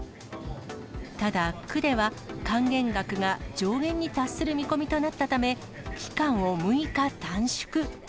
ただ、区では還元額が上限に達する見込みとなったため、期間を６日短縮。